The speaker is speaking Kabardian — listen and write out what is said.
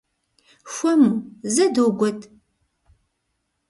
Хуэму, зэ догуэт!